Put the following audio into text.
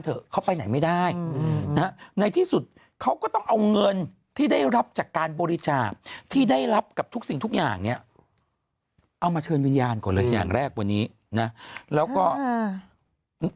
ทุกอย่างเนี้ยเอามาเชิญวิญญาณก่อนเลยอย่างแรกวันนี้น่ะแล้วก็ฮ่า